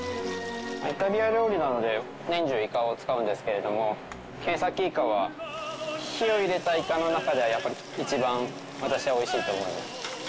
イタリア料理なので年中イカを使うんですけれどもケンサキイカは火を入れたイカの中ではやっぱり一番私はおいしいと思います。